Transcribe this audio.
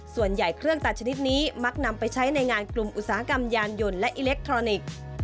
เครื่องตัดชนิดนี้มักนำไปใช้ในงานกลุ่มอุตสาหกรรมยานยนต์และอิเล็กทรอนิกส์